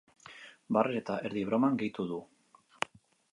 Barrez eta erdi broman gehitu du.